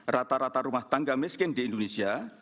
rata rata rumah tangga miskin di indonesia